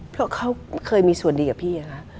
เพราะเขาเคยมีส่วนดีกับพี่ค่ะ